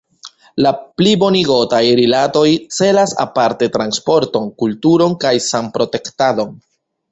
La plibonigotaj rilatoj celas aparte transporton, kulturon kaj sanprotektadon.